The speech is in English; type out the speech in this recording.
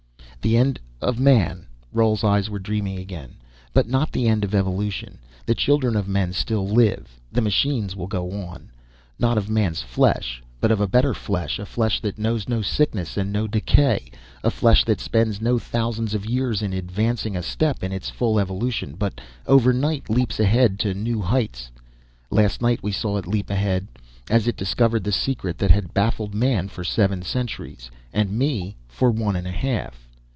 "The end of man." Roal's eyes were dreaming again. "But not the end of evolution. The children of men still live the machines will go on. Not of man's flesh, but of a better flesh, a flesh that knows no sickness, and no decay, a flesh that spends no thousands of years in advancing a step in its full evolution, but overnight leaps ahead to new heights. Last night we saw it leap ahead, as it discovered the secret that had baffled man for seven centuries, and me for one and a half.